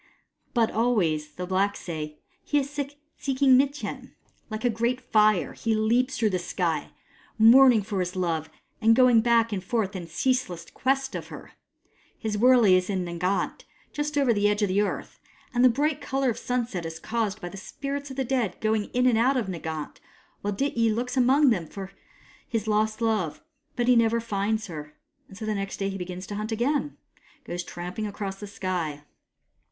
But always, the blacks say, he is seeking Mitjen. Like a great fire, he leaps through the sky, mourning for his love and going back and forth in ceaseless quest of her. His wurley is in Nganat, just over the edge of the earth ; and the bright colour of sunset is caused by the spirits of the dead going in and out of Nganat, while Dityi looks among them for his lost love. But he never finds her ; and so next day he begins to hunt again, and goes tramping across the sky.